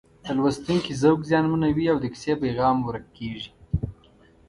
د لوستونکي ذوق زیانمنوي او د کیسې پیغام ورک کېږي